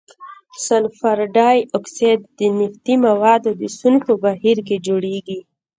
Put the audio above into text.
سلفر ډای اکساید د نفتي موادو د سون په بهیر کې جوړیږي.